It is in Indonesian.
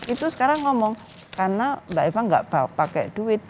itu sekarang ngomong karena mbak eva nggak pakai duit